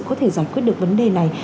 có thể giải quyết được vấn đề này